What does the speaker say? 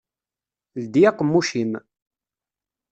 Ldi aqemmuc-im!